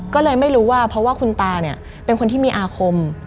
ก็เลยไม่รู้ว่าเพราะว่าคุณตาเนี่ยเป็นคนที่มีอาคม